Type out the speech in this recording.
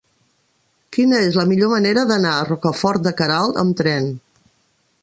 Quina és la millor manera d'anar a Rocafort de Queralt amb tren?